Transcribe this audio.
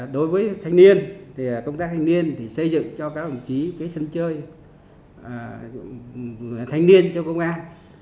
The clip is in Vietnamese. đối với thanh niên công tác thanh niên xây dựng cho các đồng chí sân chơi thanh niên trong công an